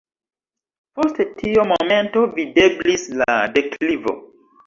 Post tio momento videblis la deklivo.